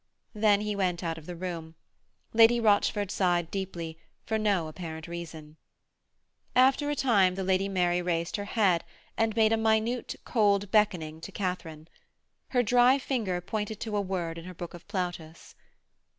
Then he went out of the room. Lady Rochford sighed deeply, for no apparent reason. After a time the Lady Mary raised her head and made a minute, cold beckoning to Katharine. Her dry finger pointed to a word in her book of Plautus.